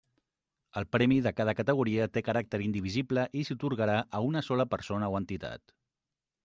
El premi de cada categoria té caràcter indivisible i s'atorgarà a una sola persona o entitat.